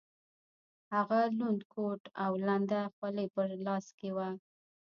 هغه لوند کوټ او لنده خولۍ یې په لاس کې وه.